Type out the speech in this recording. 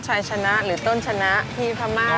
ชัยชนะหรือต้นชนะที่พม่า